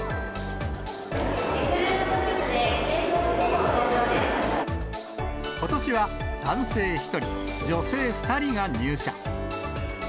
リクルートスーツで正装してことしは男性１人、女性２人が入社。